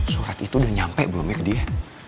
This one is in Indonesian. surat itu udah nyampe belum ya ke dia